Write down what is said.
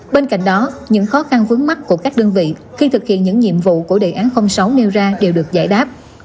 bên cạnh đó những khó khăn vướng mắt của các đơn vị khi thực hiện những nhiệm vụ của đề án sáu nêu ra đều được giải đáp